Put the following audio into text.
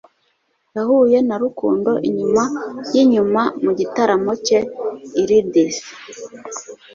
Yahuye na Rukundo inyuma yinyuma mu gitaramo cye i Leeds